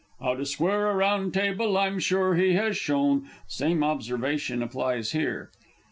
_) 'Ow to square a round table I'm sure he has shown. (_Same observation applies here.